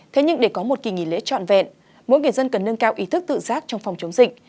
thế nhưng để có một kỳ nghỉ lễ trọn vẹn mỗi người dân cần nâng cao ý thức tự giác trong phòng chống dịch